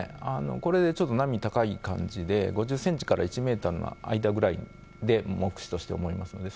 これ、ちょっと波が高い感じで、５０センチから１メートルの間ぐらいで、目視として思いますんで。